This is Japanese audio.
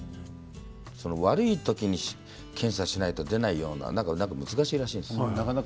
悪い時に検査をしないと出ないような難しいらしいんです。